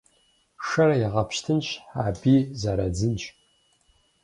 Шэр ягъэпщтынщ аби зэрадзынщ.